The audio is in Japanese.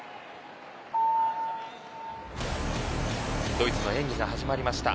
ドイツの演技が始まりました。